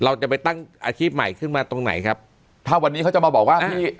เราจะไปตั้งอาชีพใหม่ขึ้นมาตรงไหนครับถ้าวันนี้เขาจะมาบอกว่าพี่